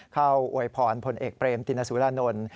เข้าโอยพรพลเอกเบรมตินสุฬานนทร์